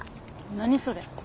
何それ。